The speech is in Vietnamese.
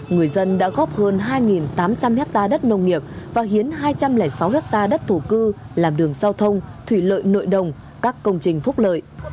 người dân đã góp hơn hai tám trăm linh hectare đất nông nghiệp và hiến hai trăm linh sáu hectare đất thổ cư làm đường giao thông thủy lợi nội đồng các công trình phúc lợi